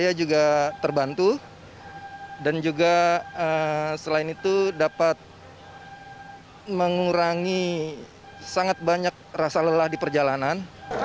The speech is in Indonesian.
saya juga terbantu dan juga selain itu dapat mengurangi sangat banyak rasa lelah di perjalanan